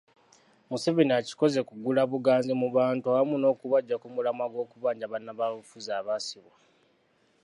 Museveni akikoze kugula buganzi mu bantu awamu n’okubaggya ku mulamwa gw’okubanja bannabyabufuzi abaasibwa.